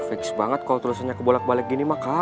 fiks banget kalau tulisannya kebolak balik gini mah carlo